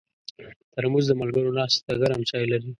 ترموز د ملګرو ناستې ته ګرم چای لري.